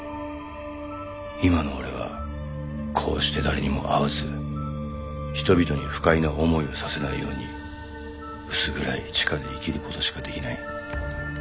今の俺はこうして誰にも会わず人々に不快な思いをさせないように薄暗い地下で生きることしかできない。